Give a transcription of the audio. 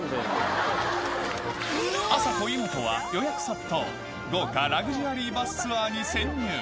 あさこ、イモトは予約殺到、豪華ラグジュアリーバスツアーに潜入。